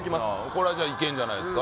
これはじゃあいけんじゃないですか